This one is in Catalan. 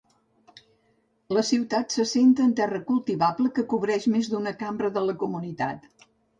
La ciutat s'assenta en terra cultivable que cobreix més d'una cambra de la comunitat.